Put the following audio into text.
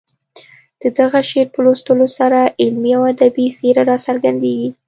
د دغه شعر په لوستلو سره علمي او ادبي څېره راڅرګندېږي.